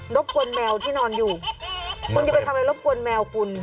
บกวนแมวที่นอนอยู่คุณจะไปทำอะไรรบกวนแมวคุณ